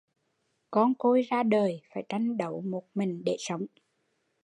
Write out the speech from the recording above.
Con côi ra đời phải tranh đấu một mình để sống